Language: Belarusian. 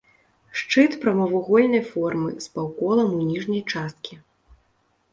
Шчыт прамавугольнай формы, з паўколам у ніжняй часткі.